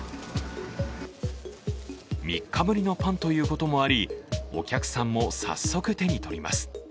３日ぶりのパンということもありお客さんも早速手にとります。